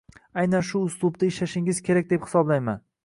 aynan shu uslubda ishlashingiz kerak deb hisoblayman.